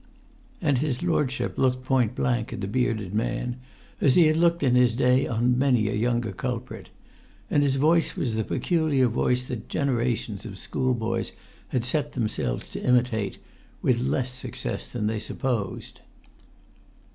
And his lordship looked point blank at the bearded man, as he had looked in his day on many a younger culprit; and his voice was the peculiar voice that generations of schoolboys had set themselves to imitate, with less success than they supposed.